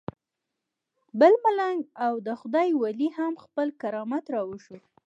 بل ملنګ او د خدای ولی هم خپل کرامت راوښود.